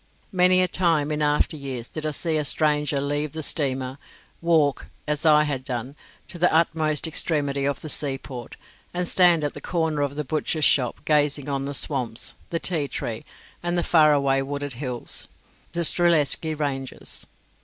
Many a time in after years did I see a stranger leave the steamer, walk, as I had done, to the utmost extremity of the seaport, and stand at the corner of the butcher's shop, gazing on the swamps, the tea tree, and the far away wooded hills, the Strelezcki ranges.